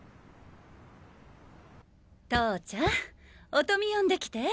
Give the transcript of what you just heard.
投ちゃん音美呼んできて。